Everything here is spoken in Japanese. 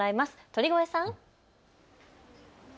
鳥越さん。